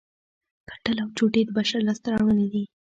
ګنډل او چوټې د بشر لاسته راوړنې دي